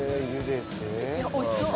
おいしそう。